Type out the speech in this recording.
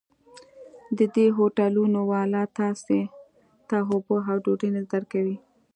د دې هوټلونو والا تاسې ته اوبه او ډوډۍ نه درکوي.